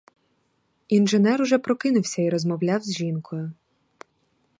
Інженер уже прокинувся і розмовляв з жінкою.